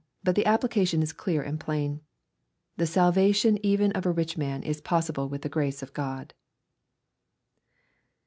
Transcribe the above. But the application is clear and plain. The salvation evec of a rich man is possible wh. the grace of God.